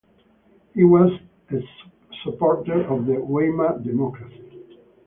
He was a supporter of the Weimar democracy.